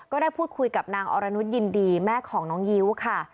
ก็ได้พูดคุยกับนางอรนุษยินดีแม่ของน้องยิ้วค่ะ